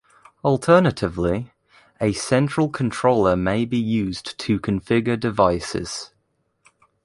Alternatively, a central controller may be used to configure devices.